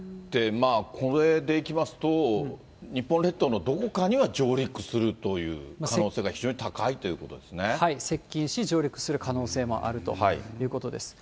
これでいきますと、日本列島のどこかには上陸するという可能性が非常に高いというこ接近し、上陸する可能性もあるということです。